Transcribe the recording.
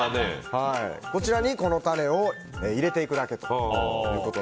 こちらにこのタネを入れていくだけです。